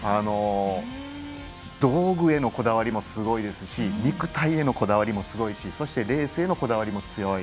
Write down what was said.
道具へのこだわりもすごいですし肉体へのこだわりもすごいしレースへのこだわりも強い。